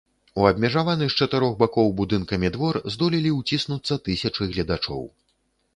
У абмежаваны з чатырох бакоў будынкамі двор здолелі ўціснуцца тысячы гледачоў.